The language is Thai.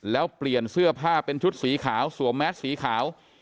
แล้วเปลี่ยนเสื้อผ้าเป็นชุดสีขาวสวมแมสสีขาว